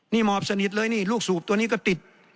นี่หมอบสนิทเลยนี่ลูกสูบตัวนี้ก็ติด